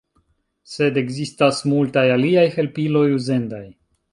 Sed ekzistas multaj aliaj helpiloj uzendaj.